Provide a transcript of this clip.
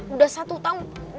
udah satu tahun